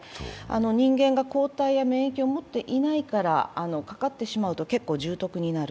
人間が抗体や免疫を持っていないからかかってしまうと結構重篤になる。